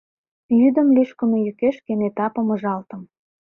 Йӱдым лӱшкымӧ йӱкеш кенета помыжалтым.